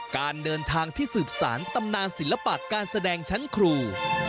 การเดินทางที่สืบสารตำนานศิลปะการแสดงชั้นครู